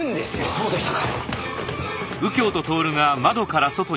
そうでしたか。